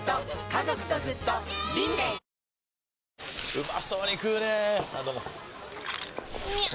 うまそうに食うねぇあどうもみゃう！！